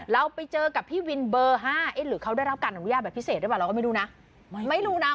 เราไปเจอกับพี่วินเบอร์๕เอ๊ะหรือเขาได้รับการอนุญาตแบบพิเศษหรือเปล่าเราก็ไม่รู้นะไม่รู้นะ